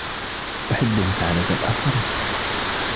أحب مساعدة الآخرين.